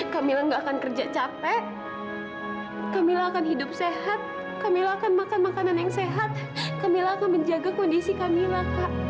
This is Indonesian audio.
kamila nggak akan kerja capek kamila akan hidup sehat kamila akan makan makanan yang sehat kamila akan menjaga kondisi kamila kak